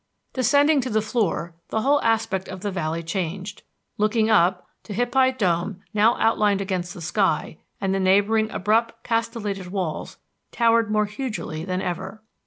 Descending to the floor, the whole aspect of the valley changed. Looking up, Tehipite Dome, now outlined against the sky, and the neighboring abrupt castellated walls, towered more hugely than ever.